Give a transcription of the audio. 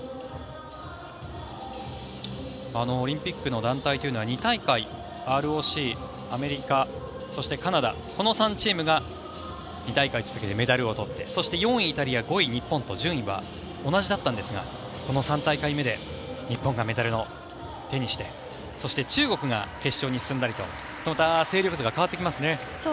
オリンピックの団体というのは２大会ＲＯＣ、アメリカ、そしてカナダこの３チームが２大会続けてメダルを取ってそして４位、イタリア５位、日本と順位は同じだったんですがこの３大会目で日本がメダルを手にしてそして中国が決勝に進んだりとだんだん勢力図が変わってきますね。